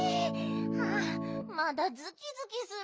あまだズキズキする。